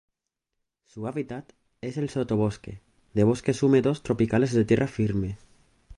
Su hábitat es el sotobosque de bosques húmedos tropicales de tierra firme.